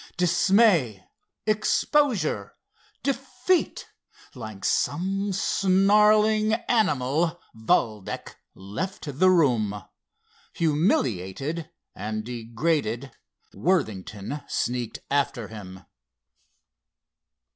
Dismay, exposure, defeat!—like some snarling animal Valdec left the room. Humiliated and degraded Worthington sneaked after him.